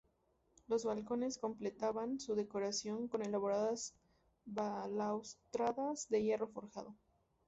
Los balcones completaban su decoración con elaboradas balaustradas de hierro forjado.